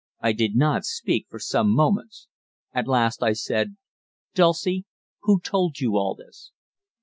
I did not speak for some moments. At last I said: "Dulcie, who told you all this?"